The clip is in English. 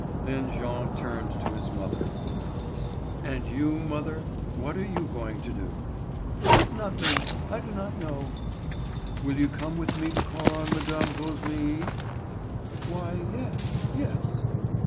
Then Jean turned to his mother: "And you, mother, what are you going to do?" "Nothing. I do not know." "Will you come with me to call on Mme. Rosémilly?" "Why, yes—yes."